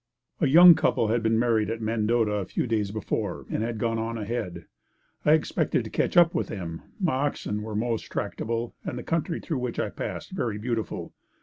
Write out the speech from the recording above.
A young couple had been married at Mendota a few days before and had gone on ahead. I expected to catch up with them. My oxen were most tractable and the country through which I passed very beautiful.